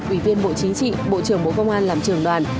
ủy viên bộ chính trị bộ trưởng bộ công an làm trường đoàn